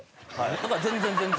だから全然全然。